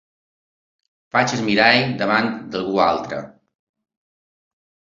Faig el mirall davant d'algú altre.